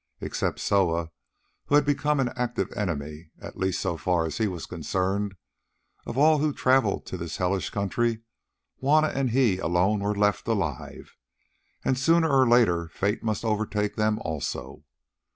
Except Soa, who had become an active enemy, at least so far as he was concerned, of all who travelled to this hellish country Juanna and he alone were left alive, and sooner or later fate must overtake them also.